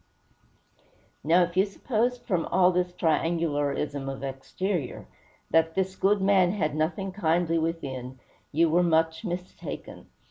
Now, if you supposed, from all this triangularism of exterior, that this good man had nothing kindly within, you were much mistaken.